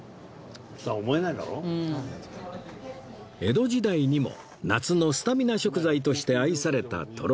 江戸時代にも夏のスタミナ食材として愛されたとろろ